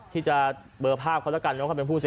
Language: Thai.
ที่จะเบอร์ภาพเขาและกัน